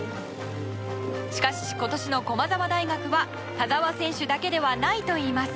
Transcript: しかし、今年の駒澤大学は田澤選手だけではないといいます。